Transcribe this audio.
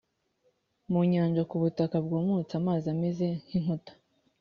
mu nyanja ku butaka bwumutse amazi ameze nk inkuta